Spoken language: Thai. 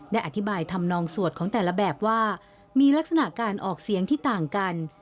ได้อธิบายทำนองสวดของแต่ละแบบว่ามีลักษณะการออกเสียงที่ต่างกัน